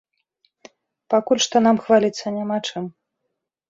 Пакуль што нам хваліцца няма чым.